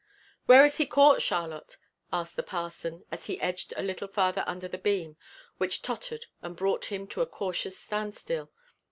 "Where is he caught, Charlotte?" asked the parson, as he edged a little farther under the beam, which tottered and brought him to a cautious standstill.